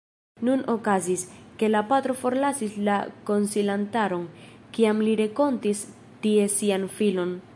Nun okazis, ke la patro forlasis la konsilantaron, kiam li renkontis tie sian filon.